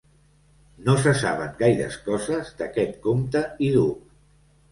No se saben gaires coses d'aquest comte i duc.